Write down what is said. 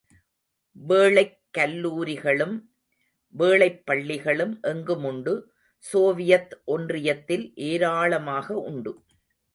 வேளைக் கல்லூரிகளும், வேளைப் பள்ளிகளும் எங்குமுண்டு, சோவியத் ஒன்றியத்தில் ஏராளமாக உண்டு.